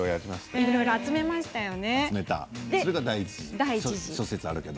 いろいろ集めましたよね。